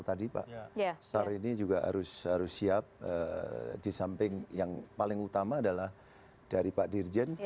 tadi pak sar ini juga harus siap di samping yang paling utama adalah dari pak dirjen